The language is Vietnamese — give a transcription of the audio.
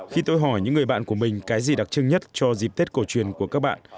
khi tôi hỏi những người bạn của mình cái gì đặc trưng nhất cho dịp tết cổ truyền của các bạn